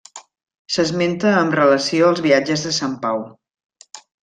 S'esmenta amb relació als viatges de Sant Pau.